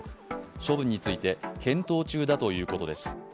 処分について検討中だということです。